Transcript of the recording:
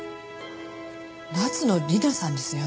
夏野理奈さんですよね。